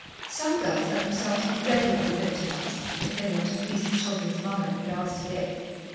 Some girls let themselves be regularly victimized, if they want to please the children's mother, and get asked again.